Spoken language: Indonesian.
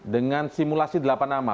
dengan simulasi delapan nama